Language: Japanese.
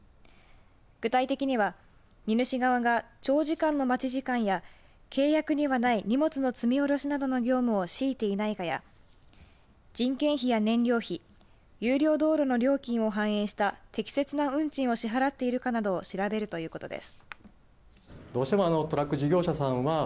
具体的には荷主側が長時間の待ち時間や契約にはない荷物の積み降ろしなどの業務を強いていないかや人件費や燃料費有料道路の料金を反映した適切な運賃を支払っているかなどを調べるということです。